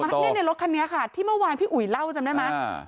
นี่ในรถคันนี้ค่ะที่เมื่อวานพี่อุ๋ยเล่าจำได้ไหม